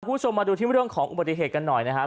คุณผู้ชมมาดูที่เรื่องของอุบัติเหตุกันหน่อยนะครับ